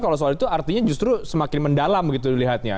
kalau soal itu artinya justru semakin mendalam gitu dilihatnya